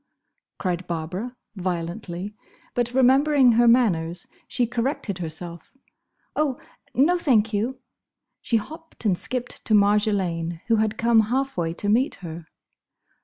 cried Barbara, violently, but remembering her manners she corrected herself. "Oh, no, thank you!" She hopped and skipped to Marjolaine, who had come half way to meet her.